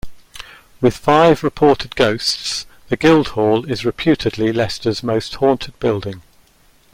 With five reported ghosts, the Guildhall is reputedly Leicester's most haunted building.